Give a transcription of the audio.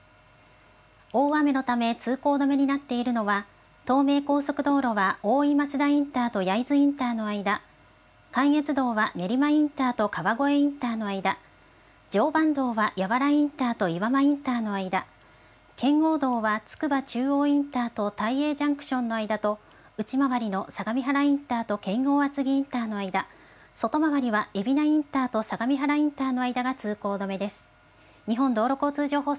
大雨のため通行止めになっているのは、東名高速道路は大井松田インターと焼津インターの間、関越道は練馬インターと川越インターの間、常磐道は谷和原インターと岩間インターの間、圏央道はつくば中央インターと大栄ジャンクションの間と、内回りの相模原インターと圏央厚木インターの間、外回りはえびなインターと相模原インターの間が通行止めです。